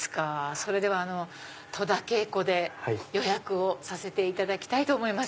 それでは戸田恵子で予約をさせていただきます。